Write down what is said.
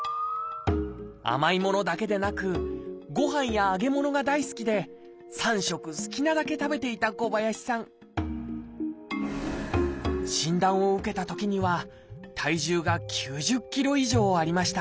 甘いものだけでなくごはんや揚げ物が大好きで３食好きなだけ食べていた小林さん診断を受けたときには体重が９０ｋｇ以上ありました。